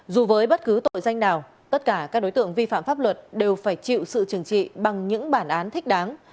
dù với bất cứ tội danh nào tất cả các đối tượng vi phạm pháp luật đều phải chịu sự trừng trị bằng những bản án thích đáng